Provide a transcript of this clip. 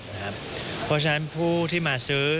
เพราะฉะนั้นผู้ที่มาซื้อ